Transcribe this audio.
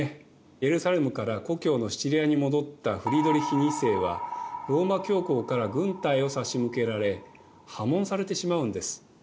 エルサレムから故郷のシチリアに戻ったフリードリヒ２世はローマ教皇から軍隊を差し向けられ破門されてしまうんです。